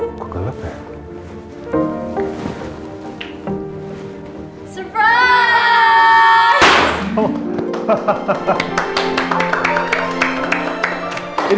ini kalian yang menyiapkan semuanya ini